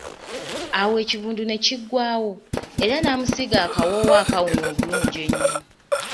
Awo ekivundu ne kigwawo, era namusiiga akawoowo akawunya obulungi ennyo.